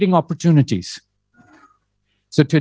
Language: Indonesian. dan juga membuat kesempatan